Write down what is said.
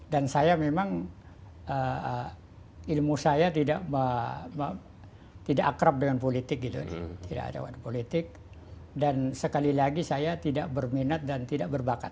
dan saya memang ilmu saya tidak akrab dengan politik gitu tidak ada politik dan sekali lagi saya tidak berminat dan tidak berbakat